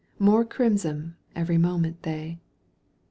More crimson every moment they.